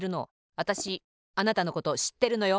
わたしあなたのことしってるのよ。